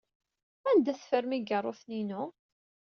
Anda ay teffrem igeṛṛuten-inu?